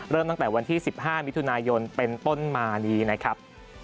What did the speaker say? ตั้งแต่วันที่๑๕มิถุนายนเป็นต้นมานี้นะครับ